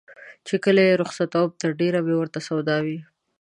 چې کله یې رخصتوم تر ډېره مې ورته سودا وي.